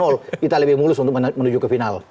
mall kita lebih mulus untuk menuju ke final